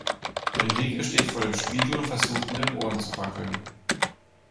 Henrike steht vor dem Spiegel und versucht mit den Ohren zu wackeln.